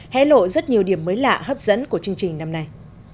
hé lộ rất nhiều điểm mới lạ hấp dẫn của chương trình năm nay